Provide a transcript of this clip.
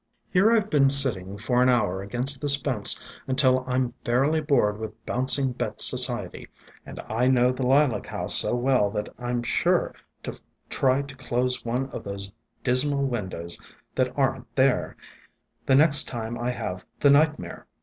Here I 've been sitting for an hour against this fence until I 'm fairly bored with Bouncing Bet's society, and I know the Lilac House so well that I 'm sure to try to close one of those dismal windows that are n't there, the next time I have the nightmare.